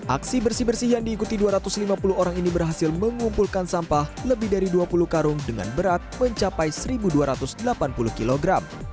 aksi bersih bersih yang diikuti dua ratus lima puluh orang ini berhasil mengumpulkan sampah lebih dari dua puluh karung dengan berat mencapai satu dua ratus delapan puluh kg